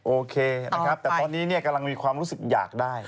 โอเคนะครับแต่ตอนนี้กำลังมีความรู้สึกอยากได้